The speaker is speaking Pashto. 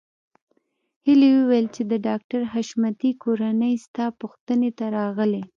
هيلې وویل چې د ډاکټر حشمتي کورنۍ ستا پوښتنې ته راغلې